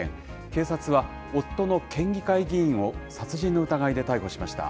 警察は、夫の県議会議員を殺人の疑いで逮捕しました。